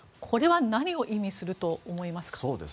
これは何を意味すると思いますか。